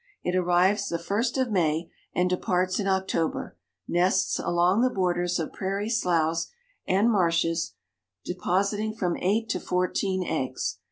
It arrives the first of May and departs in October; nests along the borders of prairie sloughs and marshes, depositing from eight to fourteen eggs.